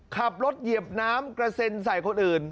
เหยียบน้ำกระเซ็นใส่คนอื่น